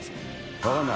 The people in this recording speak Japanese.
分かんない。